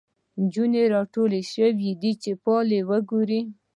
نجونې راټولي شوی چي فال وګوري